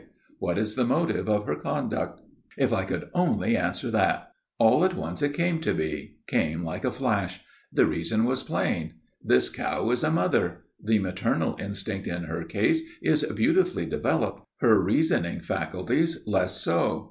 What is the motive of her conduct? If I could only answer that!' All at once it came to me, came like a flash. The reason was plain. 'This cow is a mother. The maternal instinct in her case is beautifully developed. Her reasoning faculties less so.